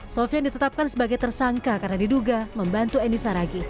sofian ditetapkan sebagai tersangka karena diduga membantu eni saragi